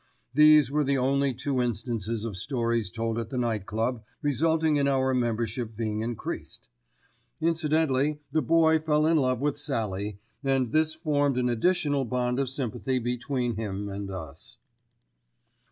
These were the only two instances of stories told at the Night Club resulting in our membership being increased. Incidentally the Boy fell in love with Sallie, and this formed an additional bond of sympathy between him and us.